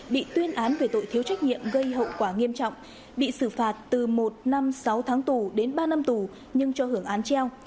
bị tuyên án về tội thiếu trách nhiệm gây hậu quả nghiêm trọng bị xử phạt từ một năm sáu tháng tù đến ba năm tù nhưng cho hưởng án treo